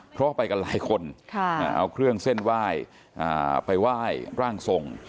เพราะไปกันหลายคนเอาเครื่องเส้นไหว้ไปไหว้ร่างทรง